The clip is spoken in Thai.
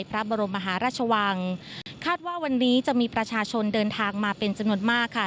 พระบรมมหาราชวังคาดว่าวันนี้จะมีประชาชนเดินทางมาเป็นจำนวนมากค่ะ